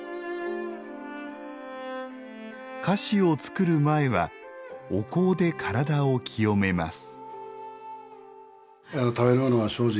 菓子を作る前はお香で体を浄めます。